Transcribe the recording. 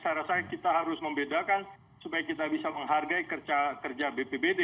saya rasa kita harus membedakan supaya kita bisa menghargai kerja bpbd